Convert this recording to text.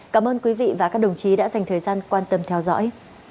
cảm ơn quý vị và các đồng chí đã dành thời gian quan tâm theo dõi